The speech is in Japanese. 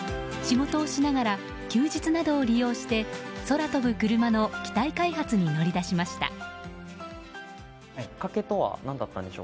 仕事をしながら休日などを利用して空飛ぶクルマの機体開発に乗り出しました。